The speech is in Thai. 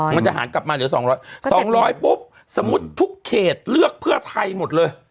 มันจะหารกลับมาเหลือ๒๐๐๒๐๐ปุ๊บสมมุติทุกเขตเลือกเพื่อไทยหมดเลย